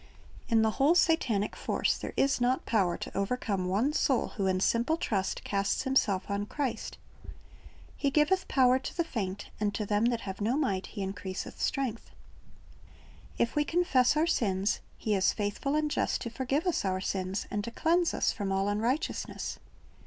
In the whole Satanic force there is not power to overcome one soul who in simple trust casts himself on Christ. "He giveth power to the faint; and to them that have no might He increaseth strensfth."^ ilsa. 40 : 29 I5(S Christ's Object Lessons "If we confess our sins, He is faithful and just to forgive us our sins, and to cleanse us from all unrighteousness."